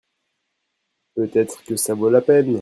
peut-être que ça vaut la peine.